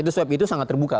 di web itu sangat terbuka